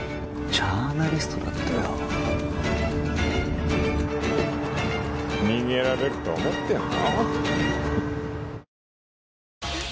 ジャーナリストだってよ逃げられると思ってんの？